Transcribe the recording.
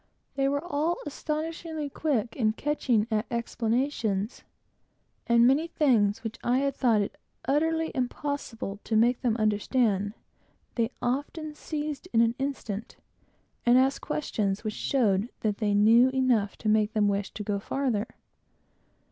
They were all astonishingly quick in catching at explanations, and many things which I had thought it utterly impossible to make them understand, they often seized in an instant, and asked questions which showed that they knew enough to make them wish to go farther.